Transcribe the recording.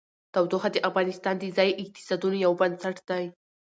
تودوخه د افغانستان د ځایي اقتصادونو یو بنسټ دی.